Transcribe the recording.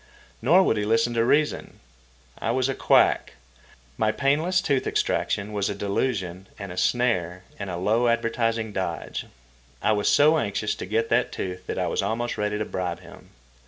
Nor would he listen to reason. I was a quack. My painless tooth extraction was a delusion and a snare and a low advertising dodge. I was so anxious to get that tooth that I was almost ready to bribe him.